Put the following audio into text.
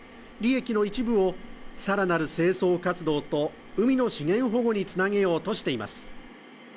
利益の一部を更なる清掃活動と海の資源保護につなげようとしています。